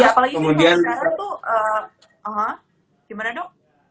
apalagi ini kalau jarak tuh gimana dok